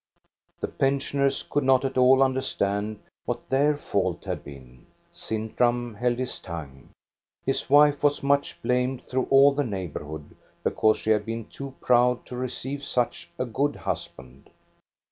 The pensioners could not at all understand what their fault had been ; Sintram held his tongue. His wife was much blamed through all the neighborhood, because she had been too proud to receive such a good husband.